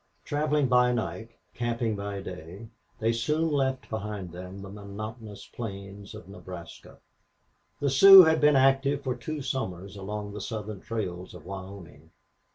Traveling by night, camping by day, they soon left behind them the monotonous plains of Nebraska. The Sioux had been active for two summers along the southern trails of Wyoming.